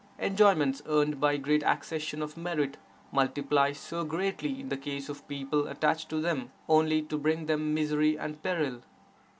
Enjoyments earned by great accession of merit, multiply so greatly in the case of people attached to them, only to bring them misery and peril!